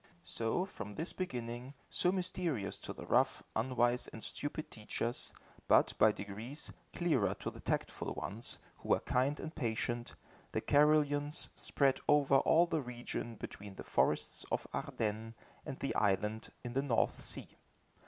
'" So, from this beginning, so mysterious to the rough, unwise and stupid teachers, but, by degrees, clearer to the tactful ones, who were kind and patient, the carillons spread over all the region between the forests of Ardennes and the island in the North Sea.